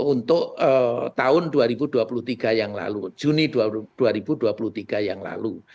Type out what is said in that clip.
untuk tahun dua ribu dua puluh tiga yang lalu juni dua ribu dua puluh tiga yang lalu